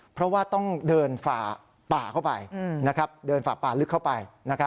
เพราะว่าต้องเดินป่าเข้าไปเดินฝ่าป่าลึกเข้าไป